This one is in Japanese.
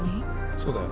そうだよ。